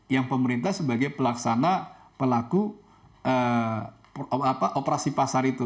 yang pemerintah sebagai pelaksana pelaku operasi pasar itu